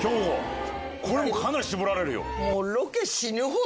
これかなり絞られるよ。